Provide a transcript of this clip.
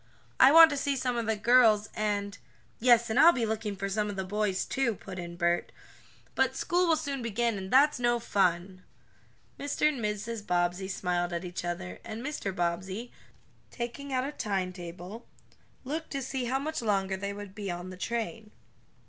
I want to see some of the girls, and " "Yes, and I'll be looking for some of the boys, too," put in Bert. "But school will soon begin, and that's no fun!" Mr. and Mrs. Bobbsey smiled at each other, and Mr. Bobbsey, taking out a timetable, looked to see how much longer they would be on the train.